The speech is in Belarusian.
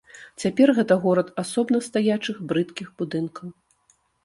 Цяпер гэта горад асобна стаячых брыдкіх будынкаў.